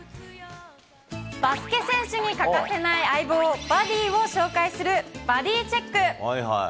バスケ選手に欠かせない相棒、バディを紹介するバディチェック。